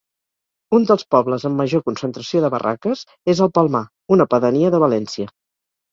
Un dels pobles amb major concentració de barraques és El Palmar, una pedania de València.